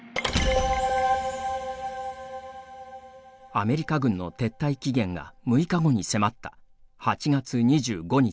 アメリカ軍の撤退期限が６日後に迫った８月２５日夜。